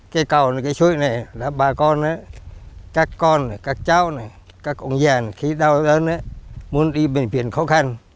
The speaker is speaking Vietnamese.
cái cầu này cái suối này là bà con các con các cháu này các ông già khi đau đớn muốn đi bệnh viện khó khăn